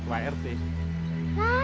nah ya pak rt gimana